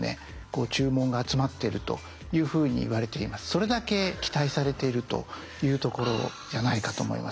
それだけ期待されているというところじゃないかと思いますね。